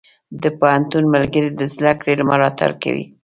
د پوهنتون ملګري د زده کړې ملاتړ کوي.